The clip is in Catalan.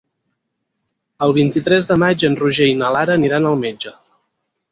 El vint-i-tres de maig en Roger i na Lara aniran al metge.